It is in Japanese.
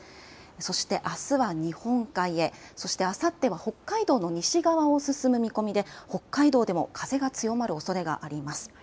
そして、あすは日本海へ、そしてあさっては北海道の西側を進む見込みで北海道でも風が強まるおそれがあります。